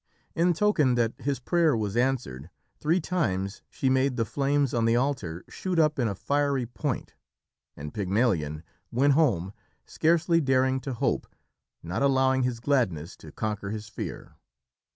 In token that his prayer was answered, three times she made the flames on the altar shoot up in a fiery point, and Pygmalion went home, scarcely daring to hope, not allowing his gladness to conquer his fear.